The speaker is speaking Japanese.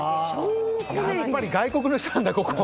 やっぱり外国の人なんだここは。